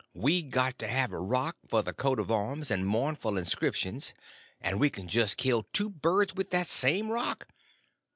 We got to have a rock for the coat of arms and mournful inscriptions, and we can kill two birds with that same rock.